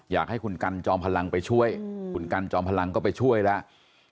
อยากให้คุณกันจอมพลังไปช่วยคุณกันจอมพลังก็ไปช่วยแล้ว